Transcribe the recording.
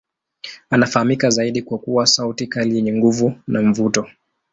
Anafahamika zaidi kwa kuwa sauti kali yenye nguvu na mvuto.